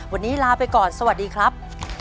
วันนี้ลาไปก่อนสวัสดีครับ